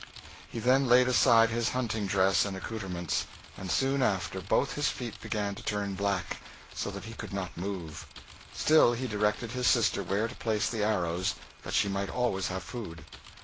He then laid aside his hunting dress and accoutrements, and soon after both his feet began to turn black, so that he could not move. Still he directed his sister where to place the arrows, that she might always have food.